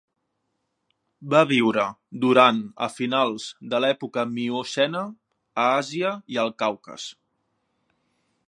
Va viure durant a finals de l'època miocena a Àsia i el Caucas.